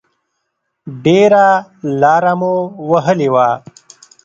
ډېره لاره مو وهلې وه.